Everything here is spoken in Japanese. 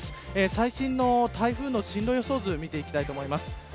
最新の台風の進路予想図を見ていきたいと思います。